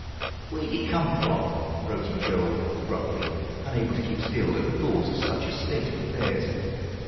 "Where'd it come from?" broke in Joel abruptly, unable to keep still at thought of such a state of affairs.